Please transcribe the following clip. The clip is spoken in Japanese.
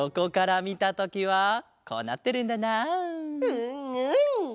うんうん！